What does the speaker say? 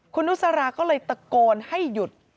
คุณนุสราก็เลยตะโกนให้หยุด